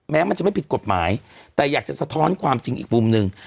มันจะไม่ผิดกฎหมายแต่อยากจะสะท้อนความจริงอีกมุมหนึ่ง